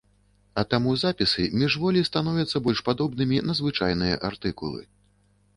А таму запісы міжволі становяцца больш падобнымі на звычайныя артыкулы.